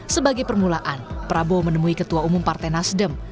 sebagai permulaan prabowo menemui ketua umum partai nasdem